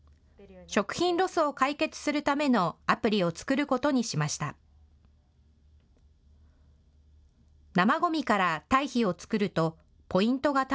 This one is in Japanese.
食品ロスを解決するためのアプリを作ることにしました。